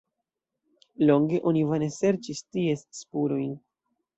Longe oni vane serĉis ties spurojn.